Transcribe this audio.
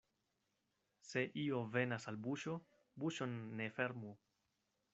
Se io venas al buŝo, buŝon ne fermu.